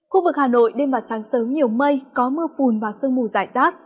khu vực hà nội đêm và sáng sớm nhiều mây có mưa phùn và sơn mù rải rác